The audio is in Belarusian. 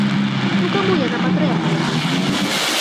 Ну каму яна патрэбная?!